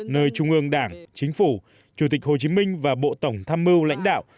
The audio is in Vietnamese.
nơi trung ương đảng chính phủ chủ tịch hồ chí minh và bộ tổng tham mưu lãnh đạo